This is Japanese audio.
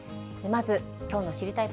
まずきょうの知りたい